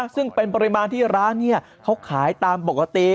ซึ่งเป็นปริมาณที่ร้านนี้เขาขายตามปกติ